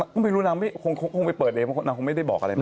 ก็ไม่รู้นางคงไปเปิดเองเพราะนางคงไม่ได้บอกอะไรนะ